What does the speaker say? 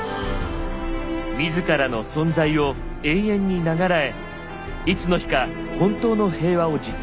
自らの存在を永遠に永らえいつの日か本当の平和を実現する。